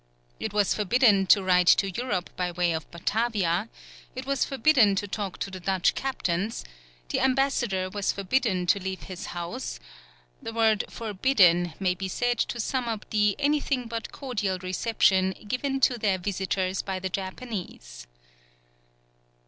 It was forbidden to write to Europe by way of Batavia, it was forbidden to talk to the Dutch captains, the ambassador was forbidden to leave his house the word forbidden may be said to sum up the anything but cordial reception given to their visitors by the Japanese.